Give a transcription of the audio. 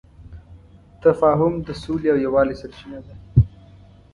تفاهم د سولې او یووالي سرچینه ده.